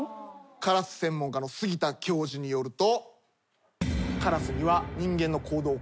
カラス専門家の杉田教授によると。